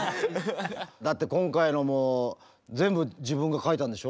だって今回のも全部自分が書いたんでしょ？